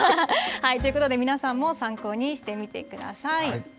ということで、皆さんも参考にしてみてください。